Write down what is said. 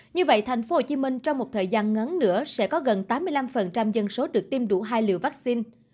như vậy thành phố hồ chí minh trong một thời gian ngắn nữa sẽ có gần tám mươi năm dân số được tiêm đủ hai liều vaccine